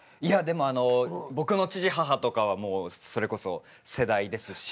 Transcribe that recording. でも僕の父母とかはそれこそ世代ですし。